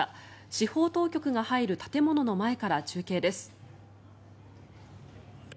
司法当局が入る建物の前から中継です。